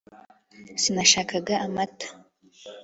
sinashakaga amata